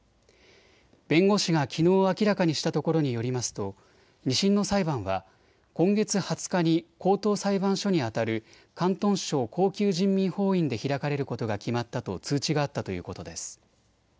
弁護士がきのう明らかにしたところによりますと２審の裁判は今月２０日に高等裁判所にあたる広東省高級人民法院で開かれることが決まったと通知があったということです。